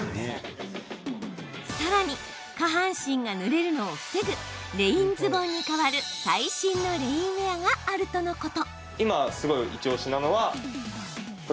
さらに、下半身がぬれるのを防ぐレインズボンに代わる最新のレインウエアがあるとのこと。